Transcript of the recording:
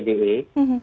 untuk mengasumsikan abcde